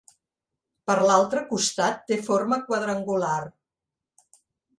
Per l'altre costat té forma quadrangular.